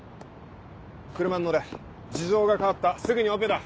車に乗れ事情が変わったすぐにオペだ！